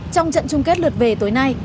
trong trận chung kết lượt về tối nay